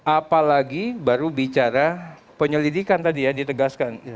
apalagi baru bicara penyelidikan tadi ya ditegaskan